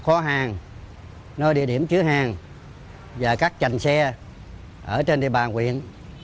kho hàng nơi địa điểm chứa hàng và các chành xe ở trên địa bàn huyện